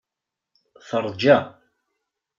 Teṛja.